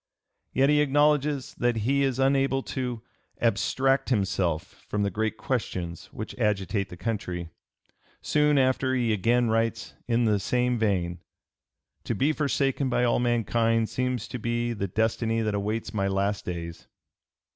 Yet he acknowledges that he is unable to "abstract himself from the great questions which agitate the country." Soon after he again writes in the same vein: "To be forsaken by all mankind seems to be the destiny that awaits my last days."